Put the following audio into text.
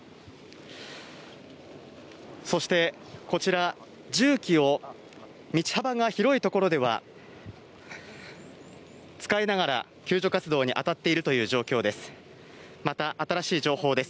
そしてこちら重機を道幅が広いところで使いながら救助活動に当たっているという状況です。